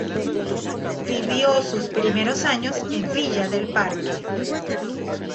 Vivió sus primeros años en Villa del Parque.